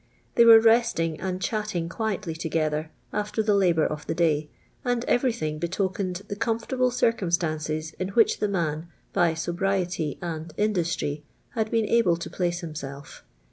They were restint; and chatting iiuii'tly togt'tlicr afirr tho hilmur of the day, and f very thing lietokr>nod the c«imfortable circum fttancfj in wliicli tlie man. by Mtbricty and in liustry, had been able to place himself.